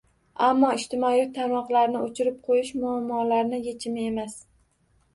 Ammo ijtimoiy tarmoqlarni o‘chirib qo‘yish muammolarni yechimi emas.